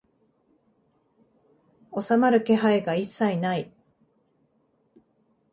収まる気配が一切ない